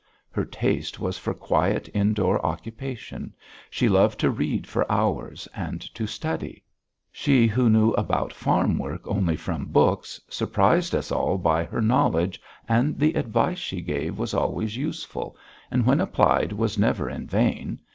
Her taste was for quiet indoor occupation; she loved to read for hours and to study; she who knew about farm work only from books, surprised us all by her knowledge and the advice she gave was always useful, and when applied was never in vain.